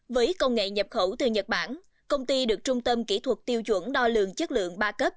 với công nghệ nhập khẩu từ nhật bản công ty được trung tâm kỹ thuật tiêu chuẩn đo lường chất lượng ba cấp